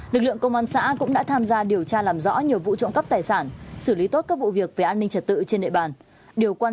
lực lượng công an xã cũng đã tham gia điều tra làm rõ nhiều vụ trộm cắp tài sản xử lý tốt các vụ việc về an ninh trật tự trên địa bàn